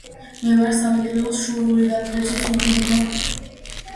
მე ვარ სამგრელოს შუაგულიდან, კერძოდ ზუგდიდიდან.